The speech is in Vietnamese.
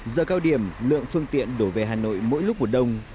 giờ cao điểm lượng phương tiện đổ về hà nội mỗi lúc một đồng